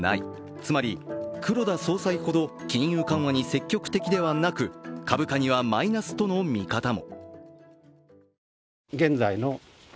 つまり、黒田総裁ほど金融緩和に積極的ではなく株価にはマイナスとの見方も。